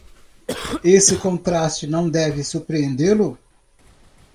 Esse contraste não deve surpreendê-lo.